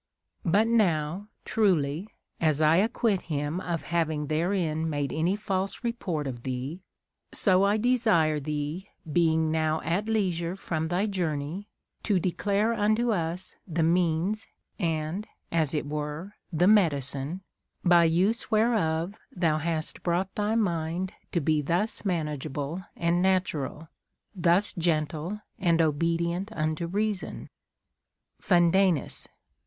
But now, truly, as I acquit him of having therein made any false report of thee, so I desire thee, being now at leisure from thy journey, to declare unto us the means and (as it were) the medicine, by use whereof thou hastWought thy mind to be thus manageable and natural, thus gentle and obedient unto reason. FuNDANus.